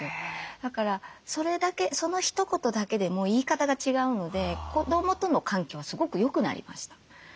だからそれだけそのひと言だけでも言い方が違うので子どもとの関係はすごく良くなりました。